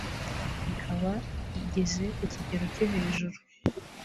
ikaba igeze ku kigero cyo hejuru